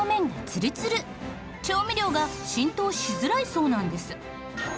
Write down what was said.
調味料が浸透しづらいそうなんです。